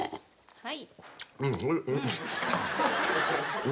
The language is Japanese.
はい。